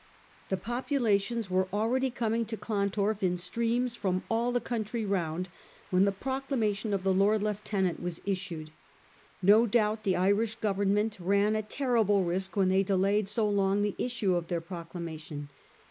The popula tions were already coming in to Clontarf in streams from all the country round when the proclamation of the Lord Lieutenant was issued. No doubt the Irish Government ran a terrible risk when they delayed so long the issue of their proclamation.